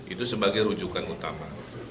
itu sebagai rujukan utama